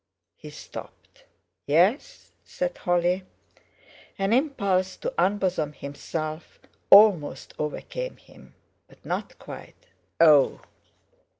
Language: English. he stopped. "Yes?" said Holly. An impulse to unbosom himself almost overcame him—but not quite. "Oh!